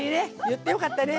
言ってよかったね。